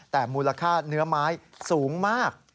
แต่มูลค่าเนื้อไม้สูงมาก